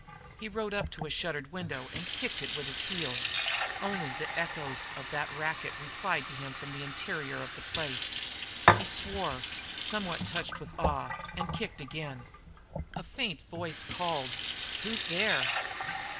He rode up to a shuttered window and kicked it with his heel. Only the echoes of that racket replied to him from the interior of the place. He swore, somewhat touched with awe, and kicked again. A faint voice called: "Who's there?"